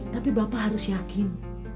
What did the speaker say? tapi bapak harus yakin